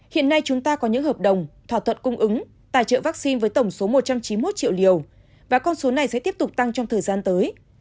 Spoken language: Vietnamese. hiện nay chúng ta có những hợp đồng thỏa thuận cung ứng tài trợ vaccine với tổng số một trăm chín mươi một triệu liều và con số này sẽ tiếp tục tăng trong thời gian tới